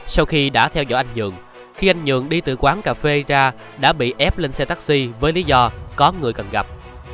sau khi đã theo dõi anh dương khi anh nhượng đi từ quán cà phê ra đã bị ép lên xe taxi với lý do có người cần gặp